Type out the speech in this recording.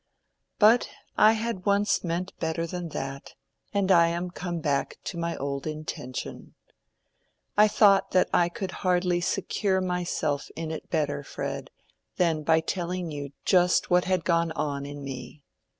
"But I had once meant better than that, and I am come back to my old intention. I thought that I could hardly secure myself in it better, Fred, than by telling you just what had gone on in me.